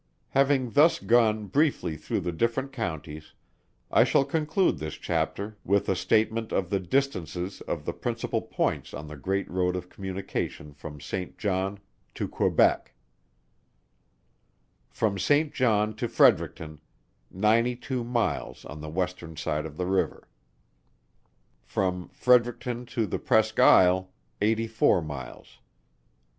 Having thus gone briefly through the different counties, I shall conclude this chapter with a statement of the distances of the principal points on the Great Road of communication from St. John to Quebec: From St. John to Fredericton, 92 miles on the western From Fredericton to the Presque Isle, 84 side of the river.